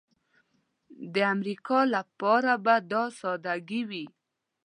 د امریکا لپاره به دا سادګي وای.